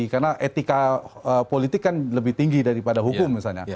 karena etika politik kan lebih tinggi daripada hukum misalnya